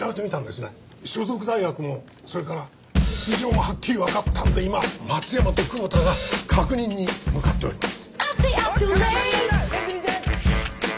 所属大学もそれから素性がはっきりわかったんで今松山と久保田が確認に向かっております。